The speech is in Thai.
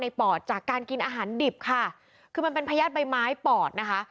ปอดจากการกินอาหารดิบค่ะคือมันเป็นพญาติใบไม้ปอดนะคะ